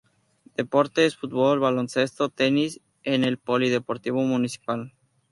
Deportes: fútbol, baloncesto, tenis... en el polideportivo municipal.